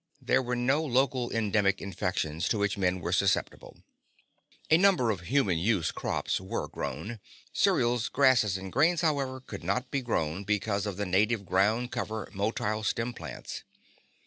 There were no local endemic infections to which men were susceptible. A number of human use crops were grown. Cereals, grasses and grains, however, could not be grown because of the native ground cover motile stem plants.